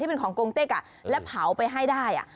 ที่เป็นของกงเต็กอ่ะและเผาไปให้ได้อ่ะ